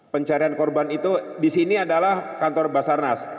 pencarian korban itu di sini adalah kantor basarnas